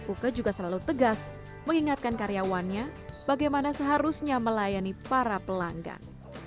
uke juga selalu tegas mengingatkan karyawannya bagaimana seharusnya melayani para pelanggan